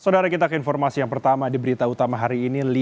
saudara kita ke informasi yang pertama di berita utama hari ini